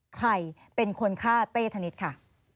ใครเป็นคนฆ่าเต้ธนิษฐ์ค่ะ